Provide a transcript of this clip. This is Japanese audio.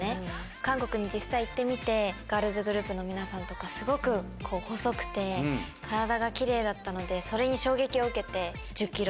韓国に実際行ってみてガールズグループの皆さんとかすごく細くて体がキレイだったのでそれに。